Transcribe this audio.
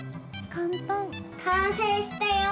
かんせいしたよ！